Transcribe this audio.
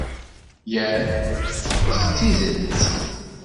Yah! s tidet?